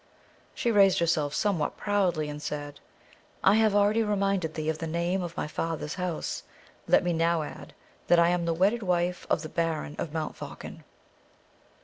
She raised herself somewhat proudly, and said: "I have already reminded thee of the name of my father's house. Let me now add, that I am the wedded wife of the Baron of Montfaucon."